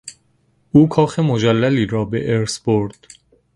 او کاخ مجللی را به ارث برد.